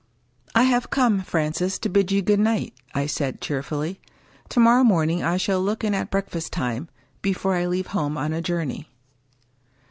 " I have come, Francis, to bid you good night," I said, cheerfully. " To morrow morning I shall look in at break fast time, before I leave home on a journey."